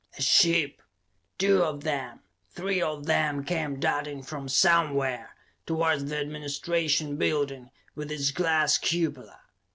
A ship, two of them, three of them came darting from somewhere, towards the administration building, with its glass cupola.